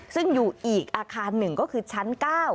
ซึ่งอยู่อีกอาคารหนึ่งก็คือชั้น๙